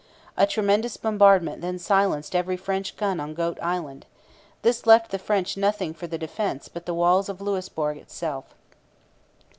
A tremendous bombardment then silenced every French gun on Goat Island. This left the French nothing for their defence but the walls of Louisbourg itself.